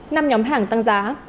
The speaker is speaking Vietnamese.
năm nhóm hàng tăng giá